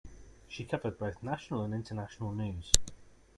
She covered both national and international news.